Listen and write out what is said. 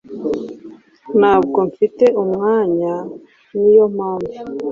Ntabwo mfite umwanya niyo mpamvu